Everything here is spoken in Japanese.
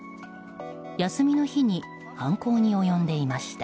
休みの日に犯行に及んでいました。